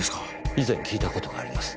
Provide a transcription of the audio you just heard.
以前聞いた事があります。